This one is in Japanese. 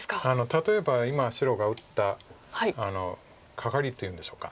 例えば今白が打ったカカリっていうんでしょうか。